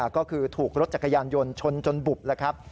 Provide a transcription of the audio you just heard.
ก็คือถูกรถจักรยานยนต์ชนจนบุบ